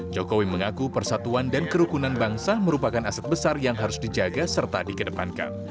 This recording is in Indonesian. jokowi mengaku persatuan dan kerukunan bangsa merupakan aset besar yang harus dijaga serta dikedepankan